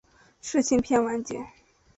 世青篇完结。